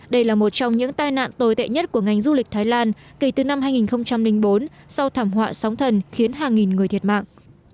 đây là một trong những tai nạn tồi tệ nhất của ngành du lịch thái lan kể từ năm hai nghìn bốn sau thảm họa sóng thần khiến hàng nghìn người thiệt mạng